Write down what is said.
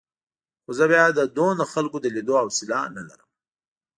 خو زه بیا د دومره خلکو د لیدو حوصله نه لرم.